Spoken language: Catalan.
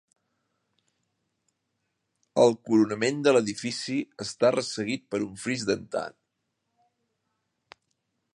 El coronament de l'edifici està resseguit per un fris dentat.